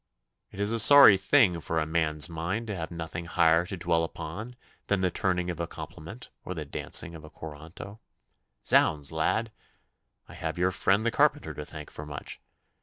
It is a sorry thing for a man's mind to have nothing higher to dwell upon than the turning of a compliment or the dancing of a corranto. Zounds, lad! I have your friend the carpenter to thank for much.